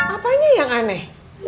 apanya yang aneh